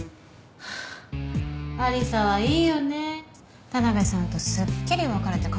はぁアリサはいいよね田辺さんとすっきり別れて